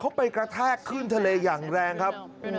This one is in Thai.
เขาไปกระแทกขึ้นทะเลอย่างแรงครับ